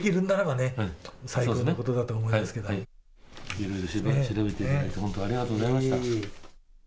いろいろ調べていただいて本当、ありがとうございました。